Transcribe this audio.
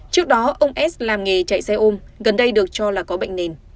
trước đó ông s làm nghề chạy xe ôm gần đây được cho là có bệnh nền